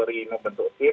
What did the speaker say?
istilahnya membentuk tim